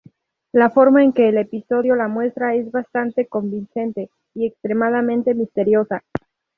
La forma en que el episodio la muestra es bastante convincente y extremadamente misteriosa.